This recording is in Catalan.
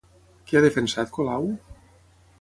Què ha defensat Colau?